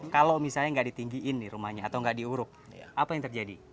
kalau misalnya nggak ditinggiin rumahnya atau nggak diuruk apa yang terjadi